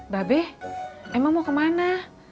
babe emang mau kemana